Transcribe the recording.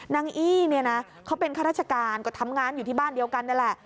อี้เนี่ยนะเขาเป็นข้าราชการก็ทำงานอยู่ที่บ้านเดียวกันนี่แหละ